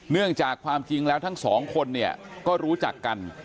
เนื่องจากความจริงแล้วทั้งสองคนเนี่ยก็รู้จักกัน